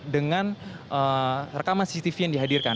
dengan rekaman cctv yang dihadirkan